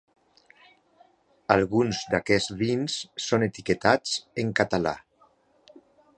Alguns d'aquests vins són etiquetats en català.